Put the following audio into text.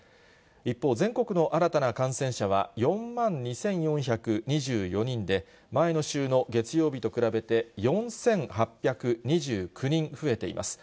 一方、全国の新たな感染者は４万２４２４人で、前の週の月曜日と比べて４８２９人増えています。